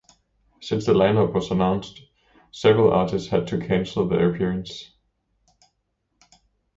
Since the lineup was announced, several artists have had to cancel their appearance.